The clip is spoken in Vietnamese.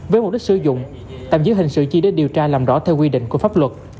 với mục đích sử dụng tạm giữ hình sự chi để điều tra làm rõ theo quy định của pháp luật